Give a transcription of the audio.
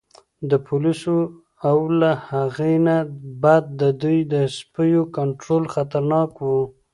د پولیسو او له هغې نه بد د دوی د سپیو کنترول خطرناک و.